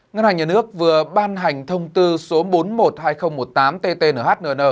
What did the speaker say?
ngân hàng nhà nước vừa ban hành thông tư số bốn mươi một hai nghìn một mươi tám ttnhn